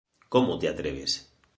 Como te atreves!"